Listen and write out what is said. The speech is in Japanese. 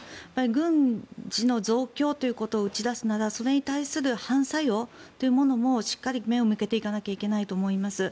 軍備の増強ということを打ち出すならばそれに対する反作用というものもしっかり目を向けていかないとと思います。